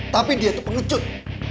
tapi dia tuh pengucut